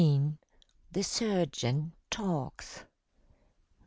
THE SURGEON TALKS.